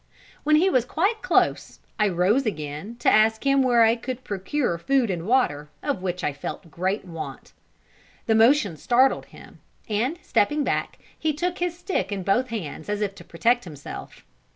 When he was quite close, I rose again, to ask him where I could procure food and water, of which I felt great want. The motion startled him; and stepping back, he took his stick in both hands as if to protect himself.